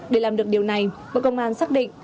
để làm được điều này bộ công an xác định